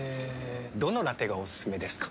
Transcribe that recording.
どのラテがおすすめですか？